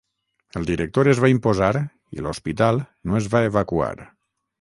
El director es va imposar i l'Hospital no es va evacuar.